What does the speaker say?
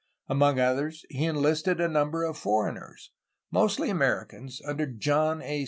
Among others he enUsted a number of foreigners, mostly Americans, under John A.